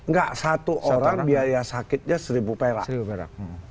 nggak satu orang biaya sakitnya seribu perak